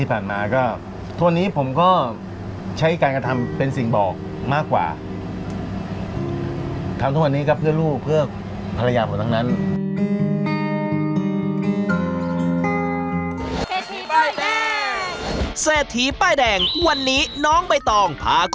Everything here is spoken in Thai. อันนี้ก็จะเป็นเนื้อที่เราน่า